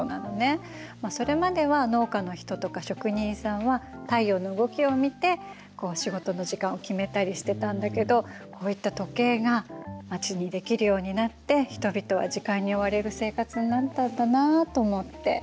それまでは農家の人とか職人さんは太陽の動きを見て仕事の時間を決めたりしてたんだけどこういった時計が街に出来るようになって人々は時間に追われる生活になったんだなと思って。